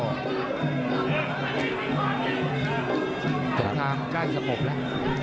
ติดตามจะสะบบแล้ว